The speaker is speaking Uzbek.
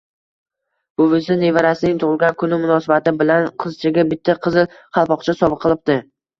Buvisi nevarasining tugʻilgan kuni munosabati bilan qizchaga bitta qizil qalpoqcha sovgʻa qilibdi